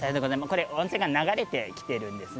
これ温泉が流れてきてるんですね。